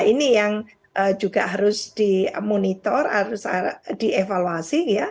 ini yang juga harus dimonitor harus dievaluasi ya